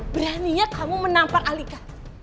beraninya kamu menampar alika